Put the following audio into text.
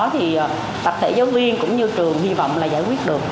thì tập thể giáo viên cũng như trường hy vọng là giải quyết được